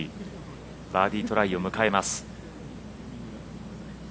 バーディートライを迎えます。